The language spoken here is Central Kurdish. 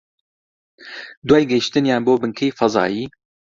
دوای گەیشتنیان بۆ بنکەی فەزایی